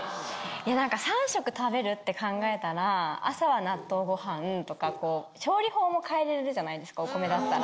なんか３食食べるって考えたら、朝は納豆ごはんとか、調理法も変えられるじゃないですか、お米だったら。